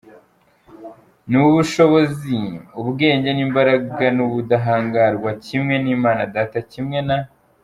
n'ubushobozi, ubwenge n'imbaraga n'ubudahangarwa kimwe n'Imana Data, kimwe na.